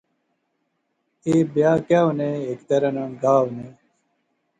ایہہ بیاہ کہیہ ہونے ہیک طرح نے گاہ ہونے